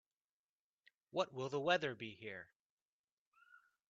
What will the weather be here?